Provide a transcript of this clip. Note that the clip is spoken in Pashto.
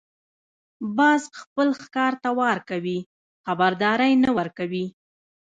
باز خپل ښکار ته وار کوي، خبرداری نه ورکوي